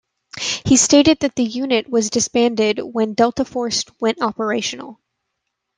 He stated that the unit was disbanded when Delta Force went operational.